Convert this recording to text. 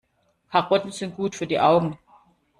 Karotten sind gut für die Augen.